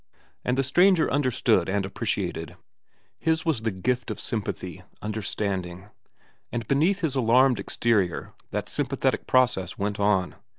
And the stranger understood and appreciated. His was the gift of sympathy, understanding; and beneath his alarmed exterior that sympathetic process went on.